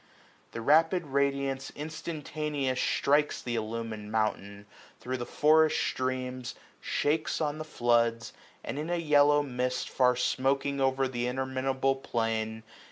190 The rapid radiance instantaneous strikes SPRING. Th* illumin'd mountain, thro* the forest streams. Shakes on the floods, and in a yellow mist. Far smoaking o'er th* interminable plain.